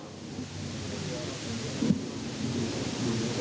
ครับ